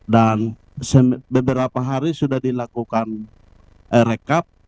dan beberapa hari sudah dilakukan rekap